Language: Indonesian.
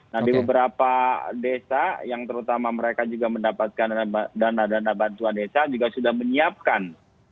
nah di beberapa desa yang terutama mereka juga mendapatkan dana dana bantuan desa juga sudah menyiapkan